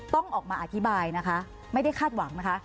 ต้องออกมาอธิบายนะคะไม่ได้คาดหวังนะคะ